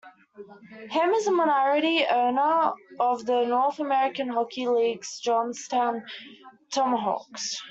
Ham is a minority owner of the North American Hockey League's Johnstown Tomahawks.